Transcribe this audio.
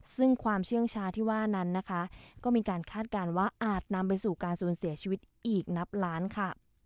ซึ่งความเชื่องชาที่ว่านั้นนะคะก็มีการคาดการณ์ว่าอาจนำไปสู่การสูญเสียชีวิตอีกนับล้านค่ะ